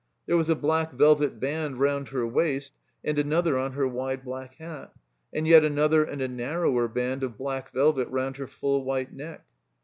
There was a black velvet band rotmd her waist and another on her wide black hat. And yet another and a narrower band of black velvet round her full white neck.